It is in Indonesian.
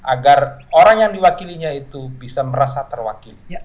agar orang yang diwakilinya itu bisa merasa terwakili